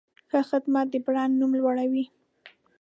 ښه خدمت د برانډ نوم لوړوي.